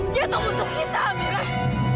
dia tuh musuh kita amirah